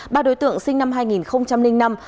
ba đối tượng sinh năm hai nghìn năm